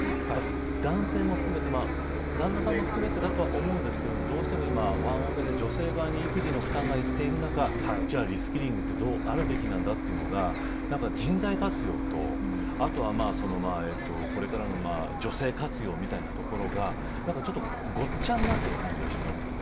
男性も含めて旦那さんも含めてだと思うんですけどどうしても今、ワンオペで女性側に育児の負担がいっている中じゃあリスキリングはどうあるべきなんだというのが人材活用とあとは、これからの女性活用みたいなところがちょっとごっちゃになっている感じがしますよね。